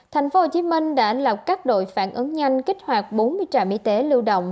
tp hcm đã lọc các đội phản ứng nhanh kích hoạt bốn mươi trạm y tế lưu động